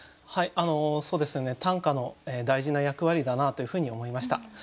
はいそうですね短歌の大事な役割だなというふうに思いました。